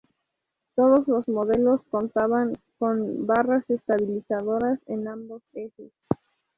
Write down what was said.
Todos los modelos contaban con barras estabilizadoras en ambos ejes.